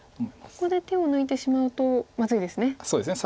ここで手を抜いてしまうとまずいですね。